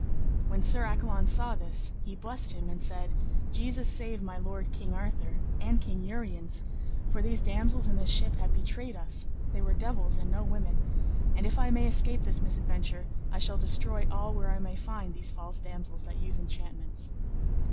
When Sir Accolon saw this, he blessed him and said, Jesus save my lord King Arthur, and King Uriens, for these damosels in this ship have betrayed us, they were devils and no women; and if I may escape this misadventure, I shall destroy all where I may find these false damosels that use enchantments.